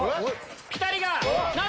ピタリが！